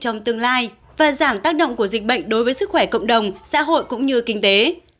trong tương lai và giảm tác động của dịch bệnh đối với sức khỏe cộng đồng xã hội cũng như kinh tế